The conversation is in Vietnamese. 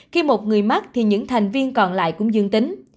khi một người mắc thì những thành viên còn lại cũng dương tính